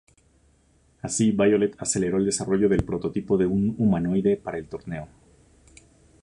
Así, Violet aceleró el desarrollo del prototipo de un humanoide para el torneo.